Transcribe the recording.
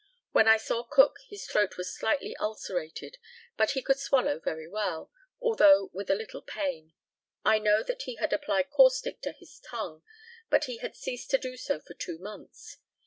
When I saw Cook his throat was slightly ulcerated, but he could swallow very well, although with a little pain. I know that he had applied caustic to his tongue, but he had ceased to do so for two months.